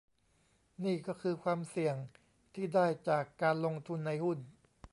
นี่ก็คือความเสี่ยงที่ได้จากการลงทุนในหุ้น